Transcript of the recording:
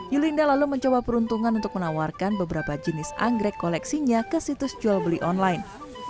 yulinda lalu mencoba peruntungan untuk menawarkan beberapa jenis anggrek koleksinya ke situs jual beli online